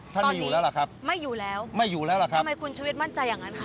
ท่านไม่อยู่แล้วหรือครับไม่อยู่แล้วทำไมคุณชุวิตมั่นใจอย่างนั้นครับ